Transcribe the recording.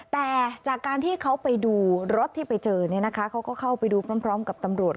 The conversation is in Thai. แต่จากการที่เขาไปดูรถที่ไปเจอเนี่ยนะคะเขาก็เข้าไปดูพร้อมกับตำรวจ